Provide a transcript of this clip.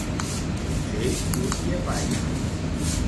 Ser un llepaire.